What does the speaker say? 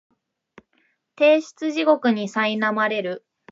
提出地獄にさいなまれる